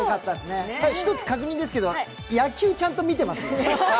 一つ確認ですけど、野球、ちゃんと見てます？